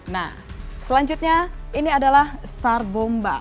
nah selanjutnya ini adalah sar bomba